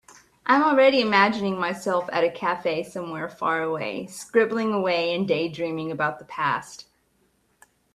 I am already imagining myself at a cafe somewhere far away, scribbling away and daydreaming about the past.